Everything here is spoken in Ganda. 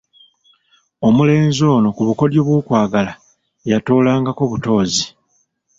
Omulenzi ono ku bukodyo bw'okwagala yatoolangako butoozi.